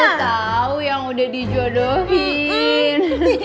gue tau yang udah dijodohin